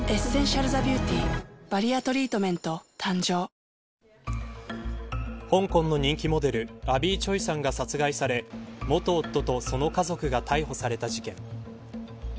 新「アタックＺＥＲＯ」香港の人気モデルアビー・チョイさんが殺害され元夫とその家族が逮捕された事件。